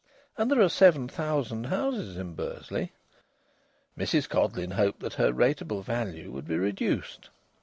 And there are seven thousand houses in Bursley. Mrs Codleyn hoped that her rateable value would be reduced.